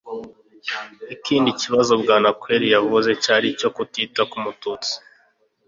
ikindi kibazo bwanakweri yavuze cyari icyo kutita ku mututsi